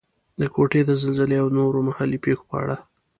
د کوټې د زلزلې او نورو محلي پېښو په اړه.